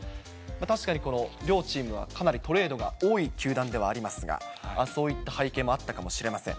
確かにこの両チームは、かなりトレードが多い球団ではありますが、そういった背景もあったかもしれません。